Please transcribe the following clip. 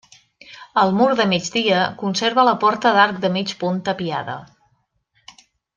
El mur de migdia conserva la porta d'arc de mig punt tapiada.